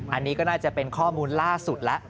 อันนี้ก็น่าจะเป็นข้อมูลล่าสุดแล้ว